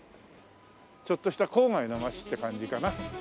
ちょっとした郊外の街って感じかな。